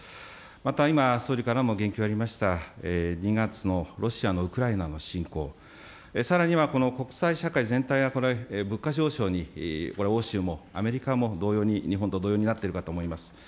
また今、総理からも言及ありました、２月のロシアのウクライナの侵攻、さらにはこの国際社会全体が物価上昇に、欧州もアメリカも同様に、日本と同様になってるかと思います。